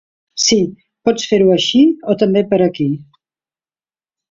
Sí, pots fer-ho així o també per aquí.